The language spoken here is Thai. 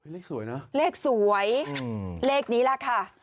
เลขสวยเนอะเลขสวยเลขนี้แหละค่ะ